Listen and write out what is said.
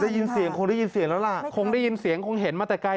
ได้ยินเสียงคงได้ยินเสียงแล้วล่ะคงได้ยินเสียงคงเห็นมาแต่ไกล